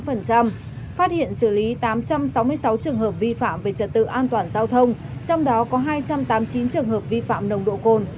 phát hiện xử lý tám trăm sáu mươi sáu trường hợp vi phạm về trật tự an toàn giao thông trong đó có hai trăm tám mươi chín trường hợp vi phạm nồng độ cồn